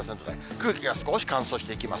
空気が少し乾燥してきます。